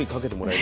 え⁉